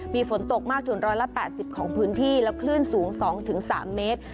มีฝนตกมากถึงร้อยละแปดสิบของพื้นที่แล้วเคลื่อนสูงสองถึงสามเมตร